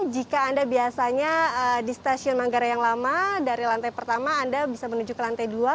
jika anda biasanya di stasiun manggarai yang lama dari lantai pertama anda bisa menuju ke lantai dua